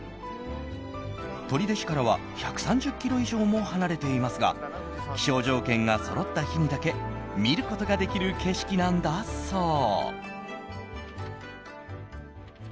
取手市からは１３０ｋｍ以上も離れていますが気象条件がそろった日にだけ見ることができる景色なんだそう。